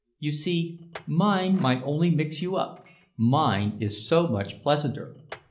"You see mine might only mix you up. Mine is so much pleasanter.